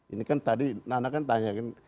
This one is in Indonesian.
ini kan tadi nana kan tanya kan